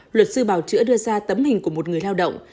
luật sư bảo chữa đưa ra tấm hình của một người lao động